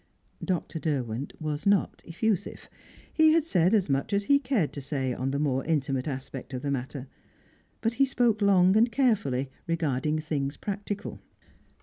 Dr. Derwent was not effusive; he had said as much as he cared to say on the more intimate aspect of the matter. But he spoke long and carefully regarding things practical.